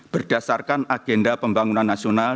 berdasarkan agenda pembangunan nasional